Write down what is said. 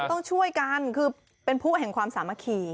ต้องช่วยกันคือเป็นผู้แห่งความสามัคคี